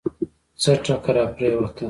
څه ټکه راپرېوته.